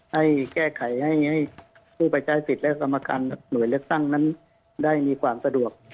ให้แก้ไขให้ผู้ไปใช้สิทธิ์และกรรมการหน่วยเลือกตั้งนั้นได้มีความสะดวก